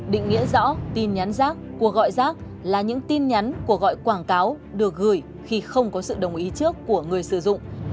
định nghĩa rõ tin nhắn rác cuộc gọi rác là những tin nhắn của gọi quảng cáo được gửi khi không có sự đồng ý trước của người sử dụng